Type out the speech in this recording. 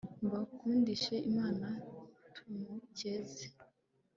mbakundishe imana, tumukeze